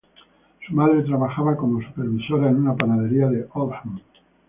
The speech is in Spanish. Su madre trabajaba como supervisora en una panadería de Oldham.